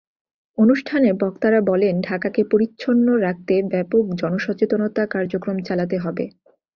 অনুষ্ঠানে বক্তারা বলেন, ঢাকাকে পরিচ্ছন্ন রাখতে ব্যাপক জনসচেতনতা কার্যক্রম চালাতে হবে।